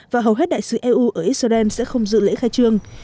và hầu hết đại sứ eu ở israel sẽ không dự lễ khai trương